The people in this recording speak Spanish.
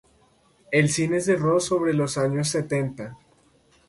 El cine cerró sobre los años setenta.